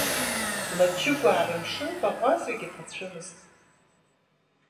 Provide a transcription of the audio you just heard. Лачыгәаа рымшын баӷәазагьы ҭацәымызт.